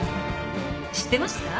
知ってました？